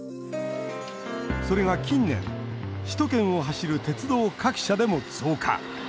それが近年首都圏を走る鉄道各社でも増加。